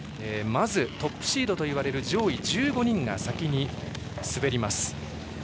まずトップシードといわれる上位１５人が先に滑ります。